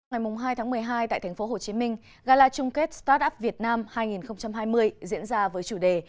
ngày hai tháng một mươi hai tại tp hcm gala chung kết start up việt nam hai nghìn hai mươi diễn ra với chủ đề